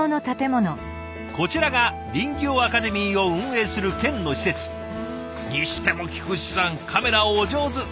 こちらが林業アカデミーを運営する県の施設。にしても菊池さんカメラお上手！